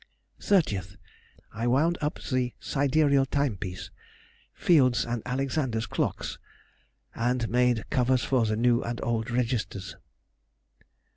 30th.—I wound up the sidereal timepiece, Field's and Alexander's clocks, and made covers for the new and old registers.